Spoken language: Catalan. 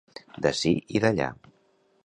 D'ací i d'allí.